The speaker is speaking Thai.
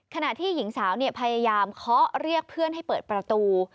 ขณะที่หญิงสาวพยายามเคาะเรียกเพื่อนให้เปิดประตู